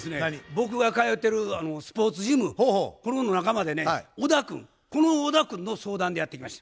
僕が通うてるスポーツジムこれの仲間でね小田君この小田君の相談でやって来ました。